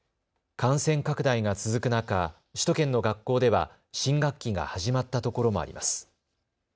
感染拡大が続く中、首都圏の学校では新学期が始まったところもあります。